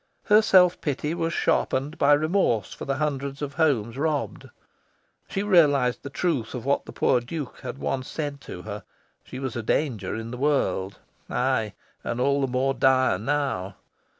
her self pity was sharpened by remorse for the hundreds of homes robbed. She realised the truth of what the poor Duke had once said to her: she was a danger in the world... Aye, and all the more dire now.